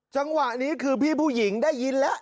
จังหวะนี้คือพี่ผู้หญิงได้ยินแล้ว